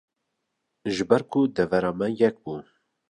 ji ber ku devera me yek bû